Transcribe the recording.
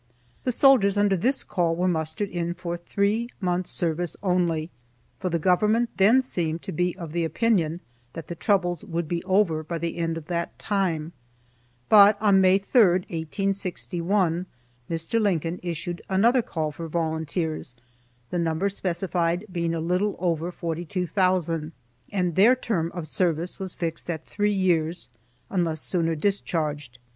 The soldiers under this call were mustered in for three months' service only, for the government then seemed to be of the opinion that the troubles would be over by the end of that time. But on May 3, 1861, Mr. Lincoln issued another call for volunteers, the number specified being a little over 42,000, and their term of service was fixed at three years, unless sooner discharged.